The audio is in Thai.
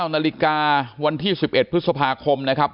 ๙นาฬิกาวันที่๑๑พฤษภาคมนะครับ